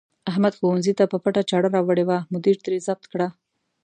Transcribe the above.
احمد ښوونځي ته په پټه چاړه راوړې وه، مدیر ترې ضبط کړه.